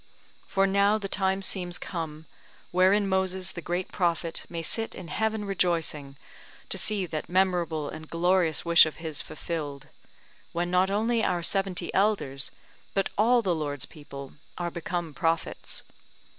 For now the time seems come, wherein Moses the great prophet may sit in heaven rejoicing to see that memorable and glorious wish of his fulfilled, when not only our seventy elders, but all the Lord's people, are become prophets.